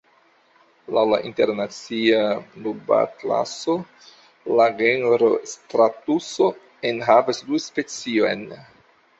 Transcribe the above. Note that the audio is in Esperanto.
Laŭ la Internacia Nubatlaso, la genro stratuso enhavas du speciojn.